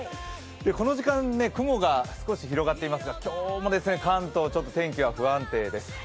この時間、雲が少し広がっていますが今日も関東ちょっと天気は不安定です。